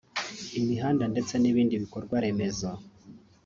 imihanda ndetse n’ibindi bikorwaremezo